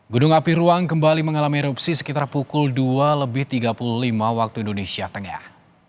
gunung api ruang kembali mengalami erupsi sekitar pukul dua lebih tiga puluh lima waktu indonesia tengah